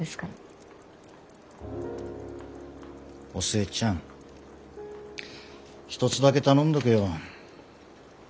お寿恵ちゃん一つだけ頼んどくよ。